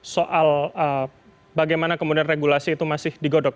soal bagaimana kemudian regulasi itu masih digodok